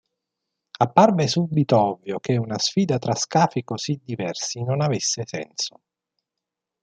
Apparve subito ovvio che una sfida tra scafi così diversi non avesse senso.